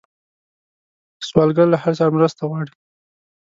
سوالګر له هر چا مرسته غواړي